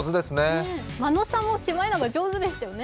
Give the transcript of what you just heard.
間野さんもシマエナガ上手でしたね。